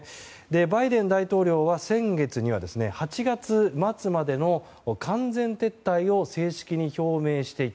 バイデン大統領は先月には８月末までの完全撤退を正式に表明していた。